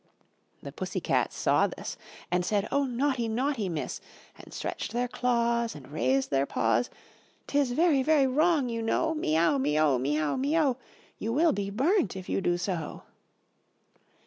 The Pussy cats saw this And said: "Oh, naughty, naughty Miss!" And stretched their claws, And raised their paws: "'Tis very, very wrong, you know, Me ow, me o, me ow, me o, You will be burnt, if you do so."